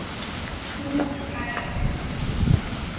书目其它来源